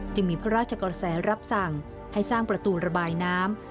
มีพระราชกระแสรับสั่งให้สร้างประตูระบายน้ำ